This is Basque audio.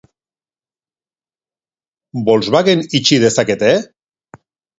Volkswagen itxi dezakete?